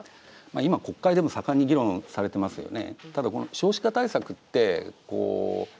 今国会でも盛んに議論されてますよね。